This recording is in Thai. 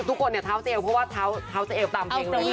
ทุกคนเท้าจะเอวเพราะว่าเท้าจะเอวตามเพลงนะ